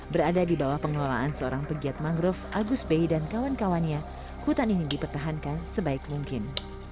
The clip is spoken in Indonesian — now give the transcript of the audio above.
berada di bawah pengelolaan seorang pegiat mangrove agus bey dan kawan kawannya hutan ini dipertahankan sebaik mungkin